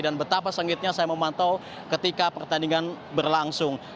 dan betapa sengitnya saya memantau ketika pertandingan berlangsung